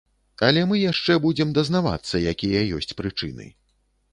Але мы яшчэ будзем дазнавацца, якія ёсць прычыны.